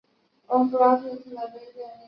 淳佑六年各界会子共计六亿五千万贯。